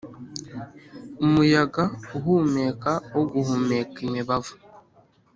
umuyaga uhumeka wo guhumeka imibavu,